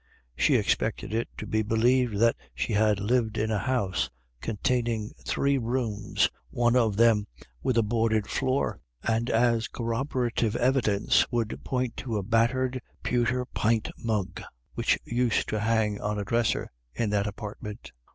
She expected it to be believed that she had lived in a house containing three rooms, one of them with a boarded floor, and as corroborative evidence ZJSCONNEL. 13 would point to a battered pewter pint mug, which used to hang on a dresser in that apartment.